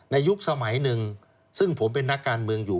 ยุคสมัยหนึ่งซึ่งผมเป็นนักการเมืองอยู่